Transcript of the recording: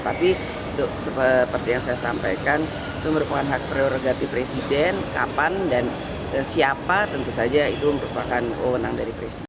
tapi seperti yang saya sampaikan itu merupakan hak prerogatif presiden kapan dan siapa tentu saja itu merupakan wewenang dari presiden